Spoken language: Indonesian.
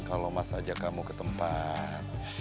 kalau mas ajak kamu ke tempat